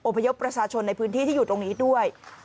พยพประชาชนในพื้นที่ที่อยู่ตรงนี้ด้วย